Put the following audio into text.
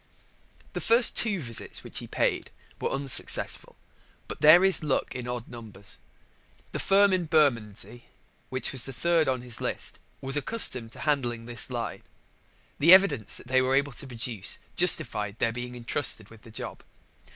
The first two visits which he paid were unsuccessful: but there is luck in odd numbers. The firm in Bermondsey which was third on his list was accustomed to handling this line. The evidence they were able to produce justified their being entrusted with the job.